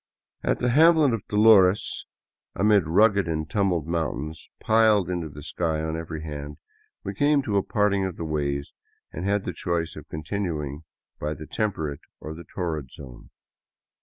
At the hamlet of Dolores, amid rugged and tumbled mountains piled into the sky on every hand, we came to a parting of the ways and had the choice of continuing by the temperate or the torrid zone.